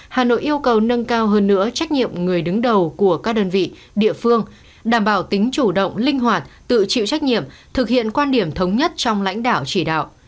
hà nội yêu cầu nâng cao hơn nữa trách nhiệm người đứng đầu của các đơn vị địa phương đảm bảo tính chủ động linh hoạt tự chịu trách nhiệm thực hiện quan điểm thống nhất trong lãnh đạo chỉ đạo